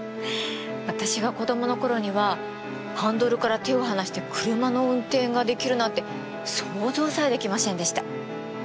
私が子供の頃にはハンドルから手を離して車の運転ができるなんて想像さえできませんでした。